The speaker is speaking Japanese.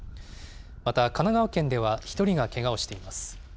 また神奈川県では１人がけがをしています。